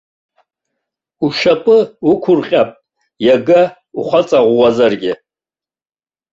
Ушьапы уқәырҟьап, иага ухаҵа ӷәӷәазаргь.